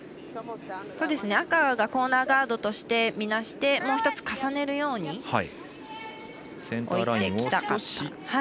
赤がコーナーガードとしてみなして、もう１つ重ねるように置いてきた。